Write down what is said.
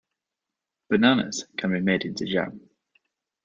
Bananas can be made into jam.